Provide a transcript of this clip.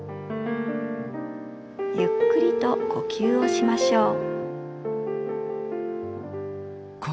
ゆっくりと呼吸をしましょう。